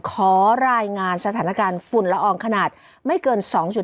ขอรายงานสถานการณ์ฝุ่นละอองขนาดไม่เกิน๒๕